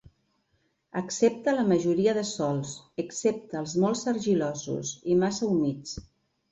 Accepta la majoria de sòls excepte els molt argilosos i massa humits.